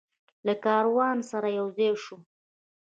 له کاروان سره یوځای شو.